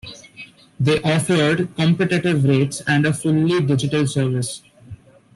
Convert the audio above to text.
They offered competitive rates and a fully digital service.